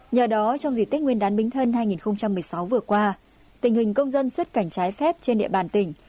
nhờ đó trong dị tích nguyên đán bình thân hai nghìn một mươi sáu vừa qua tình hình công dân xuất cảnh trái phép trên địa bàn tỉnh